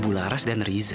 ibu laras dan riza